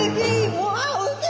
うわおいしい！